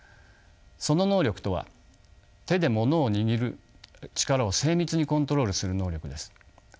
その能力とは手でものを握る力を精密にコントロールする能力です。